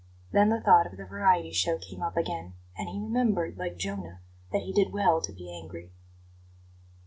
Then the thought of the variety show came up again, and he remembered, like Jonah, that he did well to be angry.